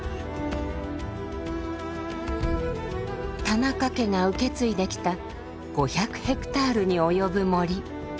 田中家が受け継いできた５００ヘクタールに及ぶ森。